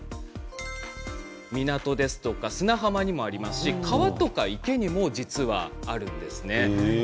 港ですとか砂浜にもありますし川とか池にも実はあるんですね。